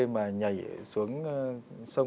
mà nhảy xuống sông